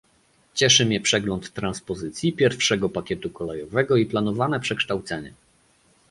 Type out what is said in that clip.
Cieszy mnie przegląd transpozycji pierwszego pakietu kolejowego i planowane przekształcenie